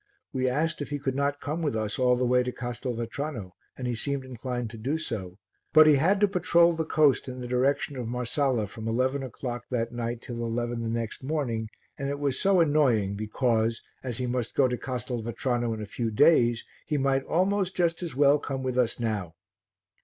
We asked if he could not come with us all the way to Castelvetrano and he seemed inclined to do so, but he had to patrol the coast in the direction of Marsala from eleven o'clock that night till eleven the next morning, and it was so annoying because, as he must go to Castelvetrano in a few days, he might almost just as well come with us now.